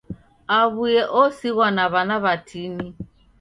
Aw'uye osighwa na w'ana w'atini.